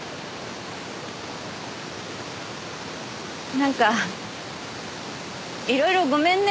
なんかいろいろごめんね。